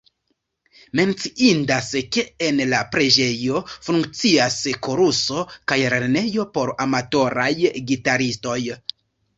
Menciindas, ke en la preĝejo funkcias koruso kaj lernejo por amatoraj gitaristoj.